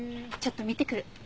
ちょっと見てくる。